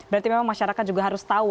berarti memang masyarakat juga harus tahu